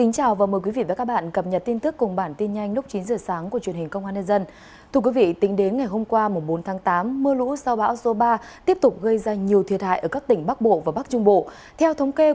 các bạn hãy đăng ký kênh để ủng hộ kênh của chúng mình nhé